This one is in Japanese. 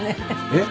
えっ？